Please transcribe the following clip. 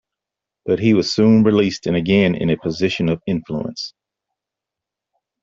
But he was soon released and again in a position of influence.